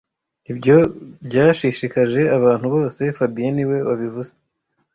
Ibyo byashishikaje abantu bose fabien niwe wabivuze